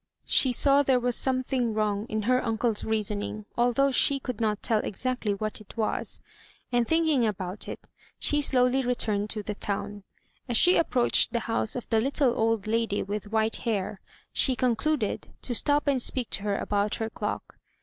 She saw there was something wrong in her imcle's reasoning, although she could not tell exactly what it was, and thinking about it, she slowly returned to the town. As she approached the house of the little old lady with white hair, she con cluded to stop and speak to her about her clock.